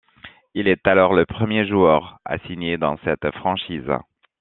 Il est alors le premier joueur à signer dans cette franchise.